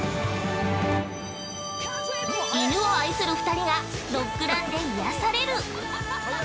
犬を愛する２人がドッグランで癒やされる。